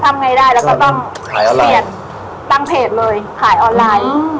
ไงได้แล้วก็ต้องเปลี่ยนตั้งเพจเลยขายออนไลน์